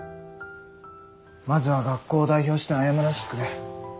まずは学校を代表して謝らせてくれ。